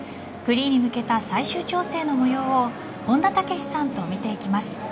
フリーに向けた最終調整の模様を本田武史さんと見ていきます。